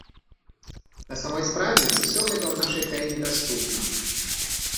На самой справе, усё гэта ў нашай краіне даступна.